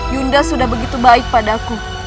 yunda sudah begitu baik padaku